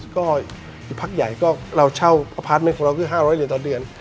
ก็อยู่พักใหญ่ก็เราเช่าพัฒน์ของเราก็๕๐๐เหรียญต่อเดือน